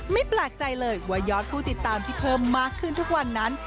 แปลกใจเลยว่ายอดผู้ติดตามที่เพิ่มมากขึ้นทุกวันนั้น